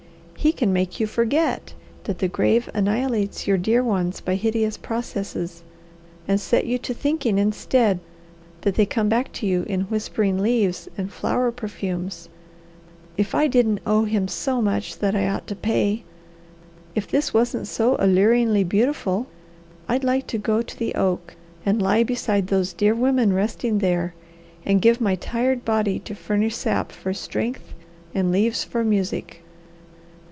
He can make you forget that the grave annihilates your dear ones by hideous processes, and set you to thinking instead that they come back to you in whispering leaves and flower perfumes. If I didn't owe him so much that I ought to pay, if this wasn't so alluringly beautiful, I'd like to go to the oak and lie beside those dear women resting there, and give my tired body to furnish sap for strength and leaves for music.